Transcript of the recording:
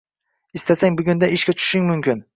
Istasang, bugundan ishga tushishing mumkin